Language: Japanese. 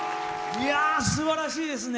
すばらしいですね！